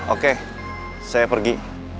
oke saya pergi